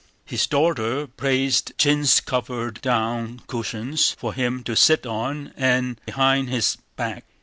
His daughter placed chintz covered down cushions for him to sit on and behind his back.